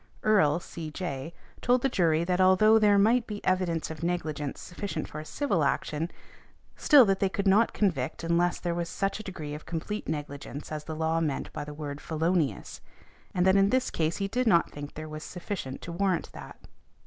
Erle, C.J., told the jury that although there might be evidence of negligence sufficient for a civil action, still that they could not convict unless there was such a degree of complete negligence as the law meant by the word "felonious," and that in this case he did not think there |184| was sufficient to warrant that.